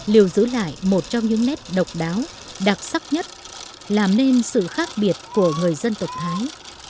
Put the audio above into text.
lưu giữ lại một trong những nét độc đáo đặc sắc nhất làm nên sự khác biệt của người dân tộc thái